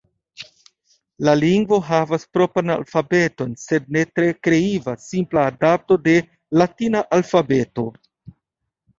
La lingvo havas propran alfabeton, sed ne tre kreiva, simpla adapto de latina alfabeto.